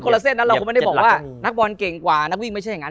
ละเส้นนั้นเราคงไม่ได้บอกว่านักบอลเก่งกว่านักวิ่งไม่ใช่อย่างนั้น